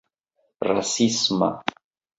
rasisma